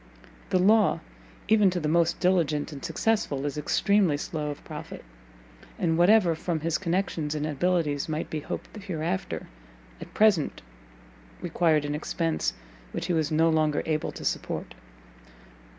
The law, even to the most diligent and successful, is extremely slow of profit, and whatever, from his connections and abilities might be hoped hereafter, at present required an expence which he was no longer able to support.